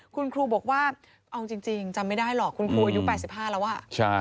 คุณครูบอกว่าเอาจริงจำไม่ได้หรอกคุณครูอายุ๘๕แล้วอ่ะ